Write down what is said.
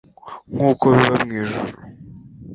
Nk uko biba mu ijuru